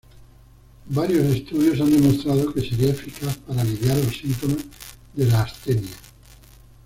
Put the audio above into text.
Varios estudios han demostrado que sería eficaz para aliviar los síntomas de la astenia.